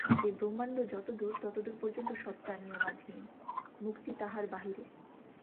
এই ব্রহ্মাণ্ড যতদূর, ততদূর পর্যন্ত সত্তা নিয়মাধীন, মুক্তি তাহার বাহিরে।